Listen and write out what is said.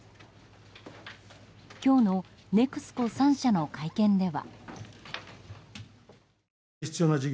今日のＮＥＸＣＯ３社の会見では。